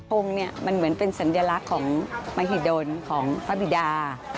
องค์เนี่ยมันเหมือนเป็นสัญลักษณ์ของมหิดลของพระบิดา